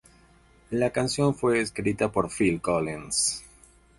La canción fue escrita por Phil Collins.